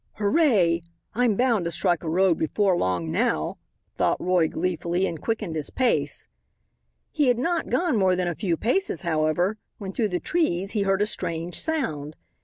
"Hooray, I'm bound to strike a road before long now," thought Roy gleefully and quickened his pace. He had not gone more than a few paces, however, when through the trees he heard a strange sound.